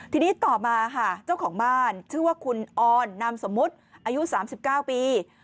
ทีนี้ต่อมาค่ะเจ้าของบ้านชื่อว่าคุณออนนามสมมุติอายุ๓๙ปี